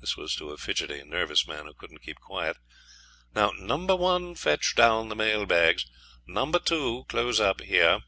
(This was to a fidgety, nervous man who couldn't keep quiet.) 'Now, Number One, fetch down the mail bags; Number Two, close up here.'